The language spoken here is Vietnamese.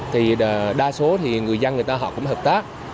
thì đa số thì người dân người ta họ cũng hợp tác